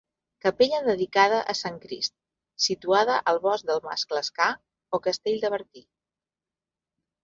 Capella dedicada a Sant Crist, situada al bosc del Mas Clascar o castell de Bertí.